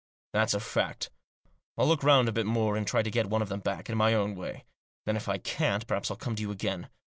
That's a fact. I'll look round a bit more, and try to get one of them back, in my own way. Then, if I can't, perhaps I'll come to you again.